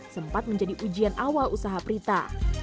sempat menjadi ujian awal usaha prita